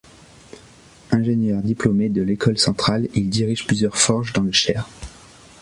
Ingénieur diplômé de l'école Centrale, il dirige plusieurs forges dans le Cher.